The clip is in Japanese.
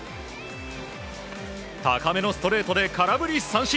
高めのストレートで空振り三振！